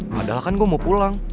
padahal kan gue mau pulang